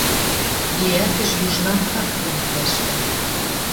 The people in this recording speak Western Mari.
Лиӓлтеш южнам тыр фронтвлӓштӹ.